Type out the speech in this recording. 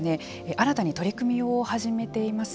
新たに取り組みを始めています。